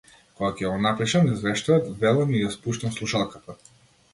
Кога ќе го напишам извештајот, велам и ја спуштам слушалката.